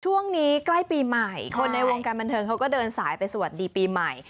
ช่วงนี้ใกล้ปีใหม่คนในวงการบันเทิงเขาก็เดินสายไปสวัสดีปีใหม่